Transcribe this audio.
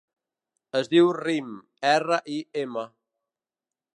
Es diu Rim: erra, i, ema.